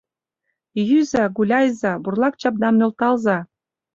Йӱза, гуляйыза, бурлак чапдам нӧлталза!